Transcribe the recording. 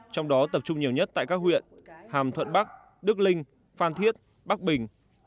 trong đó tập trung nhiều nhất tại các huyện hàm thuận bắc đức linh phan thiết bắc bình